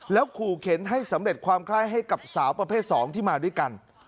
ขู่เข็นให้สำเร็จความคล่ายให้กับสาวประเภท๒ที่มาด้วยกัน